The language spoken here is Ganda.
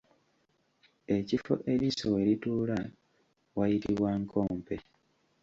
Ekifo eriiso we lituula wayitibwa nkompe.